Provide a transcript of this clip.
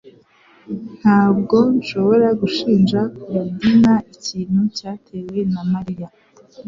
Ntabwo nshobora gushinja Korodina ikintu cyatewe na Mariya